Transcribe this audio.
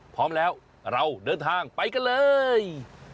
พร้อมแล้วเราเดินทางไปกันเลย